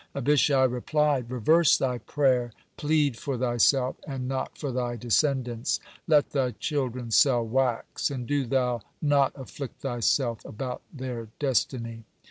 Abishai replied: "Reverse thy prayer, plead for thyself, and not for thy descendants. Let thy children sell wax, and do thou not afflict thyself about their destiny."